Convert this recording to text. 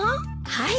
はい。